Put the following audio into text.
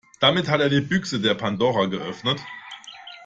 Damit hat er die Büchse der Pandora geöffnet.